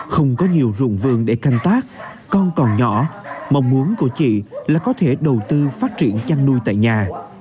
không có nhiều rụng vườn để canh tác con còn nhỏ mong muốn của chị là có thể đầu tư phát triển chăn nuôi tại nhà